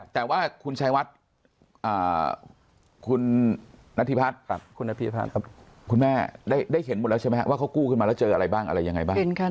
แต่ว่าคุณชายวัดคุณนัทธิพัฒน์คุณนพิพัฒน์ครับคุณแม่ได้เห็นหมดแล้วใช่ไหมครับว่าเขากู้ขึ้นมาแล้วเจออะไรบ้างอะไรยังไงบ้าง